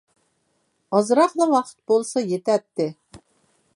ئازراقلا ۋاقىت بولسا يېتەتتى.